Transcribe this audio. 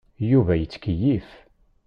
Yuba yettkeyyif.